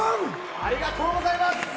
ありがとうございます！